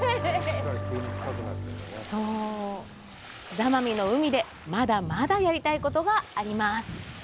座間味の海でまだまだやりたいことがあります。